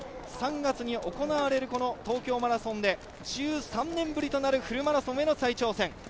３月に行われる東京マラソンで１３年ぶりとなるフルマラソンへの再挑戦。